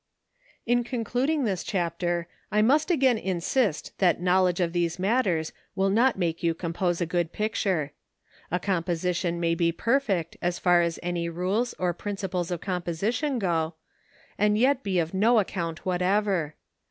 In concluding this chapter I must again insist that knowledge of these matters will not make you compose a good picture. A composition may be perfect as far as any rules or principles of composition go, and yet be of no account whatever.